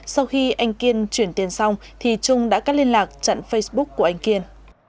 sau khi anh kiên chuyển tiền xong thì trung đã cắt liên lạc chặn facebook của anh kiên